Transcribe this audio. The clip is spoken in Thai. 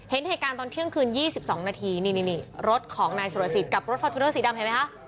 เห็นเหตุการณ์ตอนเที่ยงคืน๒๒นาทีนี่รถของนายสุรสิทธิ์กับรถฟอร์จูเนอร์สีดำเห็นไหมคะ